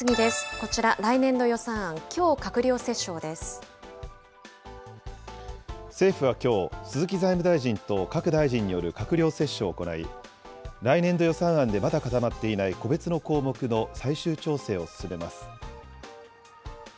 こちら、来年度予算案、きょう閣政府はきょう、鈴木財務大臣と各大臣による閣僚折衝を行い、来年度予算案でまだ固まっていない個別の項目の最終調整を進めます。